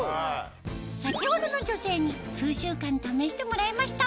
先ほどの女性に数週間試してもらいました